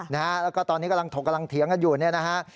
แล้วก็ตอนนี้กำลังถกเถียงกันอยู่เนี่ยนะฮะ